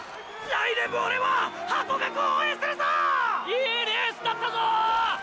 いいレースだったぞー！！